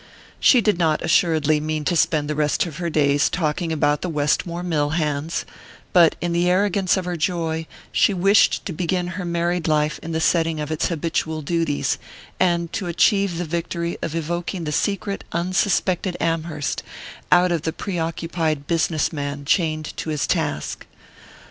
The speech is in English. She did not, assuredly, mean to spend the rest of her days talking about the Westmore mill hands; but in the arrogance of her joy she wished to begin her married life in the setting of its habitual duties, and to achieve the victory of evoking the secret unsuspected Amherst out of the preoccupied business man chained to his task.